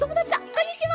こんにちは。